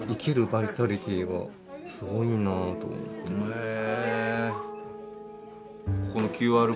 へえ！